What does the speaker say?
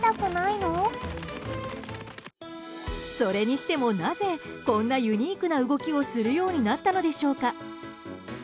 それにしても、なぜこんなユニークな動きをするようになったのでしょうか。